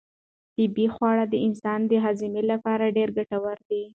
طبیعي خواړه د انسان د هضم لپاره ډېر ګټور دي.